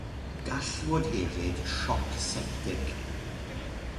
Gall fod hefyd sioc septig.